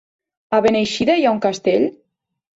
A Beneixida hi ha un castell?